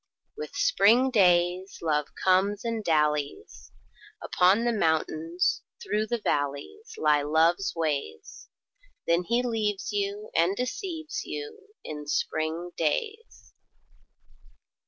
With spring days Love comes and dallies: Upon the mountains, through the valleys Lie Love's ways. Then he leaves you and deceives you In spring days.